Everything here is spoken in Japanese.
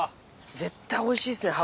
絶対おいしいですね